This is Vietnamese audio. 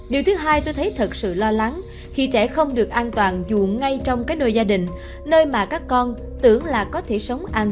điều thứ hai tôi thấy thật sự lo lắng khi trẻ không được an toàn dù ngay trong cái nơi gia đình nơi mà các con tưởng là có thể sống ăn